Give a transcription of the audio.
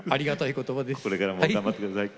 これからも頑張って下さい。